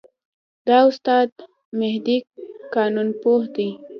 دا استاد مهدي قانونپوه دی.